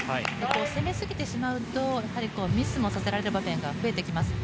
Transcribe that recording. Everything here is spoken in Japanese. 攻めすぎてしまうとミスもさせられる場面が増えてきます。